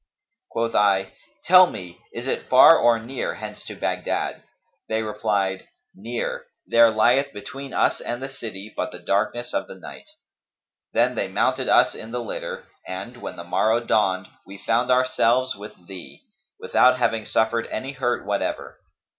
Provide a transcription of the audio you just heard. Quoth I, 'Tell me, is it far or near, hence to Baghdad?' They replied, 'Near: there lieth between us and the city but the darkness of the night.' Then they mounted us in the litter and, when the morrow dawned, we found ourselves with thee, without having suffered any hurt whatever."